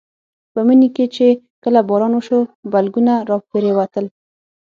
په مني کې چې کله باران وشو بلګونه راپرېوتل.